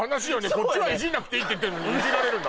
こっちがイジんなくていいって言ってるのにイジられる。